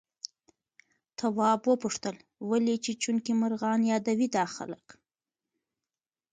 تواب وپوښتل ولې چیچونکي مرغان يادوي دا خلک؟